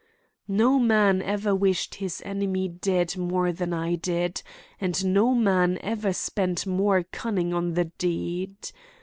"No man ever wished his enemy dead more than I did, and no man ever spent more cunning on the deed.